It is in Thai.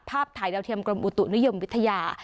ถ่ายดาวเทียมกรมอุตุนิยมวิทยา